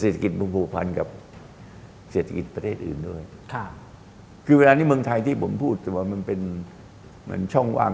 แต่เศรษฐกิจผู้ผู้พันกับ